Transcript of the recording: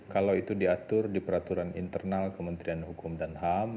kalau itu diatur di peraturan internal kementerian hukum dan ham